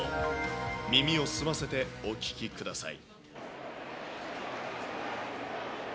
耳を澄ませてお聞きください。